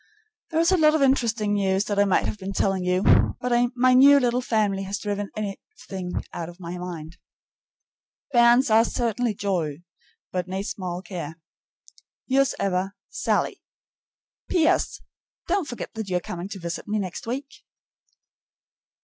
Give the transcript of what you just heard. There is a lot of interesting news that I might have been telling you, but my new little family has driven everything out of my mind. Bairns are certain joy, but nae sma' care. Yours ever, SALLIE. P.S. Don't forget that you are coming to visit me next week.